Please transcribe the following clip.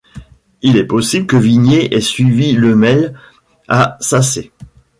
Il est possible que Vignier est suivi Lemesle à Sacé.